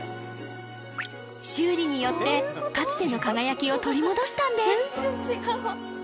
修理によってかつての輝きを取り戻したんです